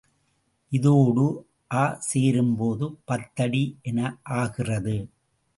இதோடு அ சேரும்போது பத்தடி என ஆகிறது.